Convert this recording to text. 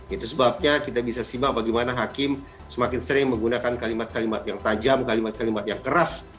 itu sebabnya kita bisa simak bagaimana hakim semakin sering menggunakan kalimat kalimat yang tajam kalimat kalimat yang keras